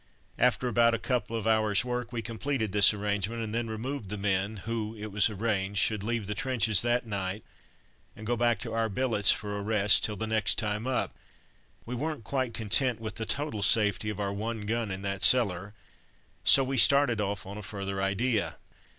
After about a couple of hours' work we completed this arrangement, and then removed the men, who, it was arranged, should leave the trenches that night and go back to our billets for a rest, till the next time up. We weren't quite content with the total safety of our one gun in that cellar, so we started off on a further idea.